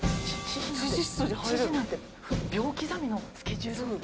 知事なんて秒刻みのスケジュール。